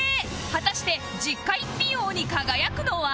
果たして実家一品王に輝くのは？